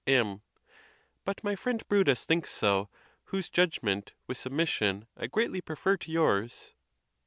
M. But my friend Brutus thinks so, whose judgment, with submission, I greatly prefer to. yours.